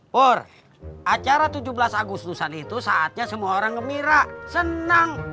por acara tujuh belas agustusan itu saatnya semua orang gembira senang